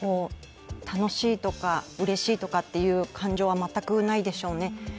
楽しいとか、うれしいとかという感情は全くないでしょうね。